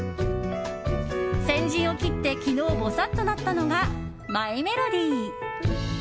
先陣を切って昨日ぼさっとなったのがマイメロディ。